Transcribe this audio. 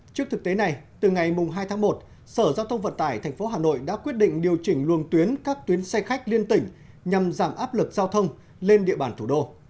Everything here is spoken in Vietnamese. trước thực tế này từ ngày hai tháng một sở giao thông vận tải tp hà nội đã quyết định điều chỉnh luồng tuyến các tuyến xe khách liên tỉnh nhằm giảm áp lực giao thông lên địa bàn thủ đô